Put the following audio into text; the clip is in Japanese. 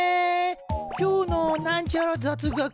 「今日のなんちゃら雑学」。